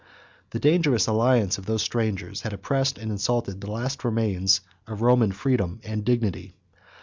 The dangerous alliance of these strangers had oppressed and insulted the last remains of Roman freedom and dignity.